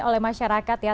oleh masyarakat ya